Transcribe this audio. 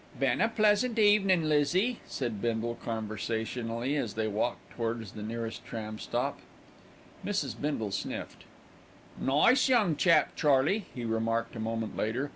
"Been a pleasant evenin', Lizzie," said Bindle conversationally, as they walked towards the nearest tram stop. Mrs. Bindle sniffed. "Nice young chap, Charley," he remarked a moment later.